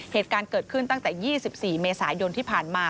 เหตุการณ์เกิดขึ้นตั้งแต่๒๔เมษายนที่ผ่านมา